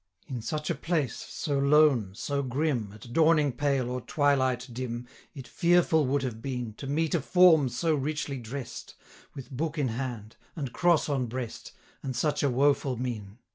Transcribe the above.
85 In such a place, so lone, so grim, At dawning pale, or twilight dim, It fearful would have been To meet a form so richly dress'd, With book in hand, and cross on breast, 90 And such a woeful mien.